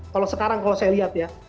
kalau sekarang kalau saya lihat ya